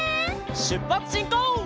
しゅっぱつしんこう！